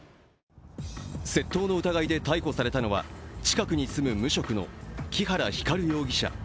窃盗の疑いで逮捕されたのは近くに住む無職の木原光容疑者。